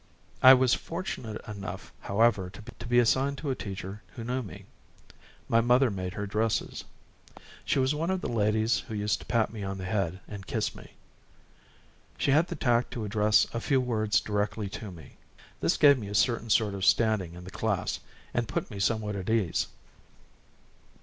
I was fortunate enough, however, to be assigned to a teacher who knew me; my mother made her dresses. She was one of the ladies who used to pat me on the head and kiss me. She had the tact to address a few words directly to me; this gave me a certain sort of standing in the class and put me somewhat at ease.